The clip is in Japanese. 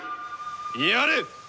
やれ！